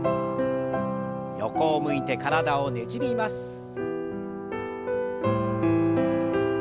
横を向いて体をねじります。